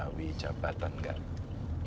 sukses duniawi jabatan enggak